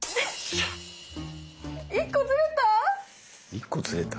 一個ずれた？